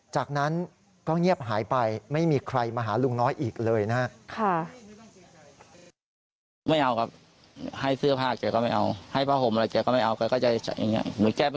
จากนั้นก็เงียบหายไปไม่มีใครมาหาลุงน้อยอีกเลยนะครับ